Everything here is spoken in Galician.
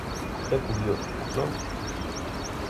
Que curioso, ¿non?